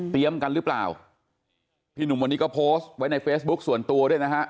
กันหรือเปล่าพี่หนุ่มวันนี้ก็โพสต์ไว้ในเฟซบุ๊คส่วนตัวด้วยนะฮะ